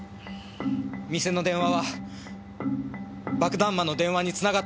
店の電話は爆弾魔の電話に繋がったままなんです。